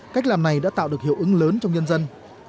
cách làm này đã tạo được hiệu ứng lớn trong nhân dân